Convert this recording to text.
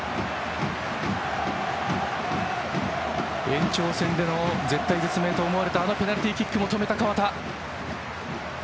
延長戦での絶望的かと思われたあのペナルティーキックも止めた河田。